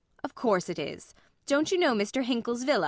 Of course it is. Don't you know Mr. Hinkel's villa?